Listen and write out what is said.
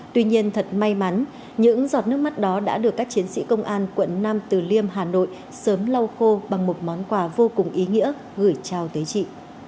tuy nhiên thật may mắn những giọt nước mắt đó đã được các chiến sĩ công an quận nam từ liêm hà nội sớm lau khô bằng một món quà vô cùng ý nghĩa gửi trao tới chị